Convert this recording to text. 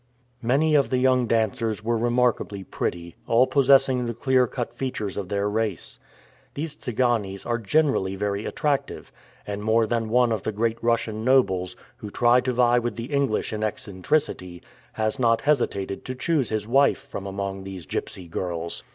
Many of the young dancers were remarkably pretty, all possessing the clear cut features of their race. These Tsiganes are generally very attractive, and more than one of the great Russian nobles, who try to vie with the English in eccentricity, has not hesitated to choose his wife from among these gypsy girls.